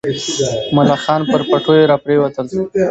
ملخان پر پټیو راپرېوتل.